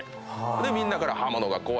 でみんなから刃物が怖いから。